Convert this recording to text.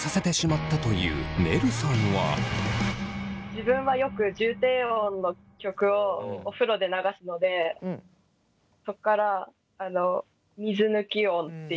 自分はよく重低音の曲をお風呂で流すのでそこから水抜き音っていう解決策を思いついて。